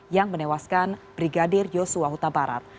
yang menewaskan brigadir yosua huta barat